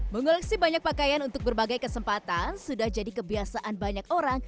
mengoleksi banyak pakaian untuk berbagai kesempatan sudah jadi kebiasaan banyak orang